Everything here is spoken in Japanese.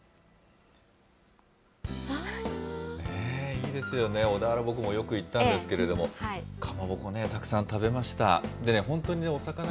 いいですよね、小田原、僕もよく行ったんですけれども、かまぼこね、たくさん食べました。